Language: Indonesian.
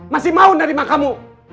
masih mau nerima kamu